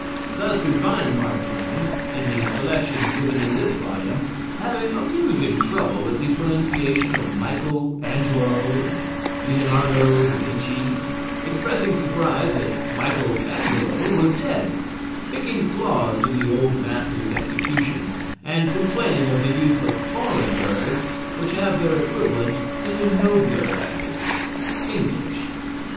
Thus we find Mark Twain, in the selections given in this volume, having amusing trouble with the pronunciation of Michael Angelo and Leonardo da Vinci, expressing surprise that Michael Angelo was dead, picking flaws in the old master's execution and complaining of the use of foreign words which have their equivalent "in a nobler language English."